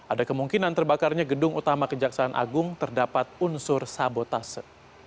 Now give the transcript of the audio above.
ada kemungkinan terbakarnya gedung utama kejaksaan agung terdapat unsur sabotase